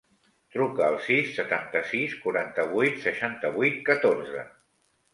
Truca al sis, setanta-sis, quaranta-vuit, seixanta-vuit, catorze.